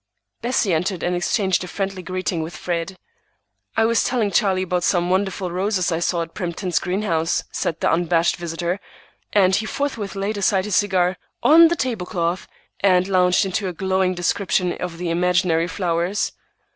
Bessie entered and exchanged a friendly greeting with Fred. "I was telling Charlie about some wonderful roses I saw at Primton's green house," said the unabashed visitor, and he forthwith laid aside his cigar—on the tablecloth!—and launched into a glowing description of the imaginary flowers.